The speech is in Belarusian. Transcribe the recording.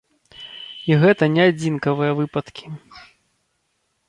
І гэта не адзінкавыя выпадкі.